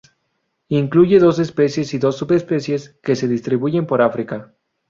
Incluye dos especies y dos subespecies, que se distribuyen por África.